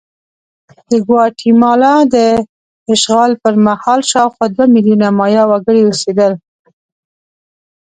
د ګواتیمالا د اشغال پر مهال شاوخوا دوه میلیونه مایا وګړي اوسېدل.